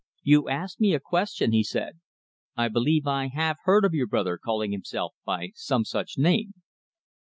"You asked me a question," he said. "I believe I have heard of your brother calling himself by some such name."